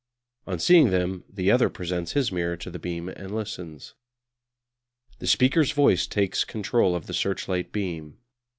On seeing them the other presents his mirror to the beam and listens. The speaker's voice takes control of the searchlight beam.